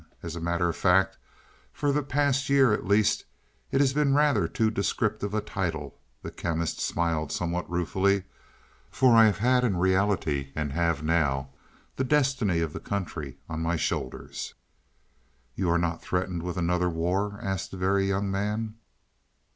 As a matter of fact, for the past year at least, it has been rather too descriptive a title " the Chemist smiled somewhat ruefully "for I have had in reality, and have now, the destiny of the country on my shoulders." "You're not threatened with another war?" asked the Very Young Man.